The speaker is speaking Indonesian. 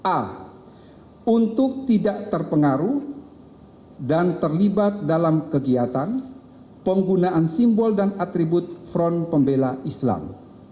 a untuk tidak terpengaruh dan terlibat dalam kegiatan penggunaan simbol dan atribut front pembela islam